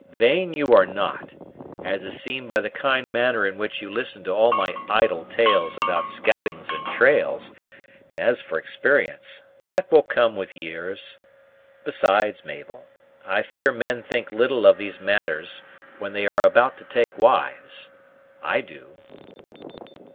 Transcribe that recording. Vain you are not, as is seen by the kind manner in which you listen to all my idle tales about scoutings and trails; and as for experience, that will come with years. Besides, Mabel, I fear men think little of these matters when they are about to take wives: I do."